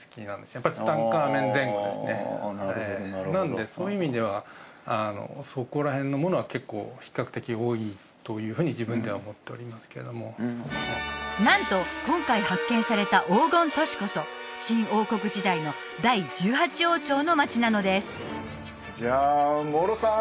やっぱりなのでそういう意味ではそこら辺のものは結構比較的多いというふうに自分では思っておりますけどもなんと今回発見された黄金都市こそ新王国時代の第１８王朝の町なのですじゃあモロさん